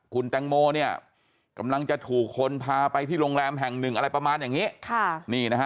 คุณแต่งโมกำลังจะถูกคนพาไปที่โรงแรมแห่งหนึ่งอะไรประมาณอย่างนี้